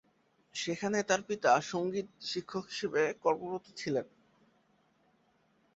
সেখানে তার পিতা সঙ্গীত শিক্ষক হিসেবে কর্মরত ছিলেন।